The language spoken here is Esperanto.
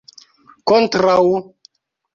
kontraŭ